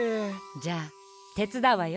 じゃあてつだうわよ。